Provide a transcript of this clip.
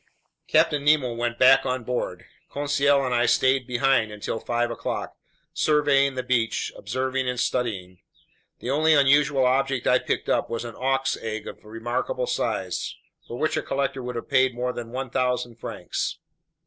Captain Nemo went back on board. Conseil and I stayed behind until five o'clock, surveying the beach, observing and studying. The only unusual object I picked up was an auk's egg of remarkable size, for which a collector would have paid more than 1,000 francs.